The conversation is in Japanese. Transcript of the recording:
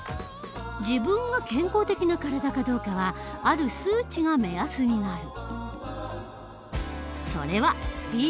自分が健康的な体かどうかはある数値が目安になる。